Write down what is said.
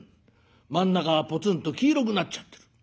真ん中がぽつんと黄色くなっちゃってる。